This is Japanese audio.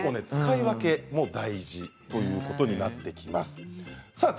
使い分けも大事ということになってきます。